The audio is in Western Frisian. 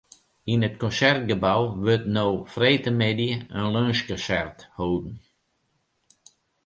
Yn it Konsertgebou wurdt no freedtemiddei in lunsjkonsert holden.